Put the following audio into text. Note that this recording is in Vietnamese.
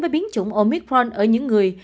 với biến chủng omicron ở những người